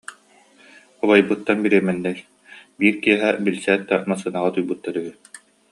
«Убайбыттан бириэмэннэй, биир киэһэ билсээт да, массыынаҕа утуйбуттар үһү